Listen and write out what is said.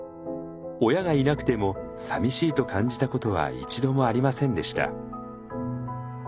親がいなくてもさみしいと感じたことは一度もありませんでした。